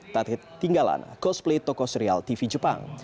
tak tinggalan cosplay toko serial tv jepang